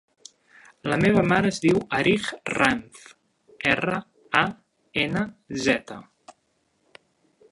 La meva mare es diu Arij Ranz: erra, a, ena, zeta.